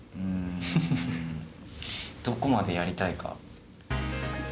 どこまでやりたいか？